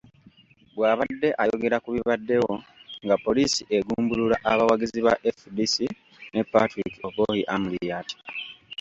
Bw'abadde ayogera ku bibaddewo nga poliisi egumbulula abawagizi ba FDC ne Patrick Oboi Amuriat.